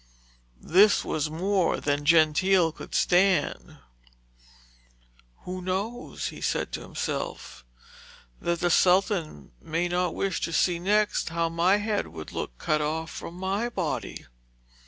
This was more than Gentile could stand. 'Who knows,' he said to himself, 'that the Sultan may not wish to see next how my head would look cut off from my body!'